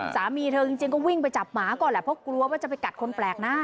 สามีเธอจริงก็วิ่งไปจับหมาก่อนแหละเพราะกลัวว่าจะไปกัดคนแปลกหน้า